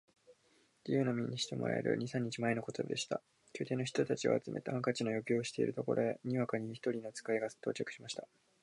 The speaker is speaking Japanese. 自由の身にしてもらえる二三日前のことでした。宮廷の人たちを集めて、ハンカチの余興をしているところへ、にわかに一人の使が到着しました。